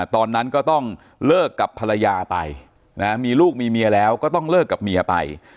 ตอนนั้นก็ต้องเลิกกับภรรยาไปมีลูกมีเมียแล้วก็ต้องเลิกกับเมียไป